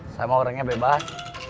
saya mau orangnya bebas